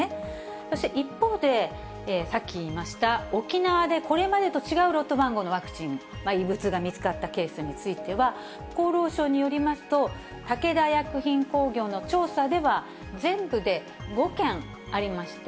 そして一方で、さっき言いました、沖縄でこれまでと違うロット番号のワクチン、異物が見つかったケースについては、厚労省によりますと、武田薬品工業の調査では、全部で５件ありまして、